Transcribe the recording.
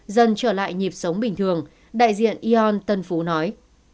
dân trở lại nhịp sống bình thường đại diện eon tân phú nói